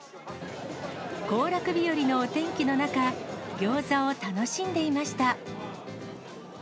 行楽日和のお天気の中、ギョーザを楽しんでいました。